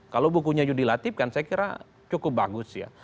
kalau bukunya yudi latif kan saya kira cukup bagus ya